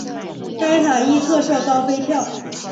该塔亦特设高飞跳。